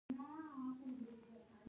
د بلغم د ایستلو لپاره د څه شي اوبه وڅښم؟